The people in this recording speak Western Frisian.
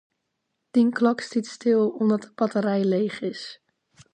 Dyn klok stiet stil, omdat de batterij leech is.